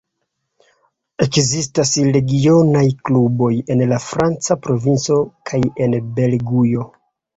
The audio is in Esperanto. Ekzistas regionaj kluboj en la franca provinco kaj en Belgujo.